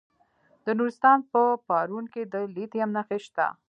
د نورستان په پارون کې د لیتیم نښې شته.